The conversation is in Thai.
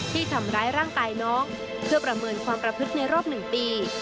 ที่ทำร้ายร่างกายน้องเพื่อประเมินความประพฤติในรอบ๑ปี